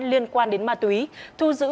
liên quan đến ma túy thu giữ